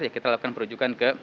ya kita lakukan perujukan ke